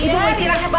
iya ibu mau istirahatkan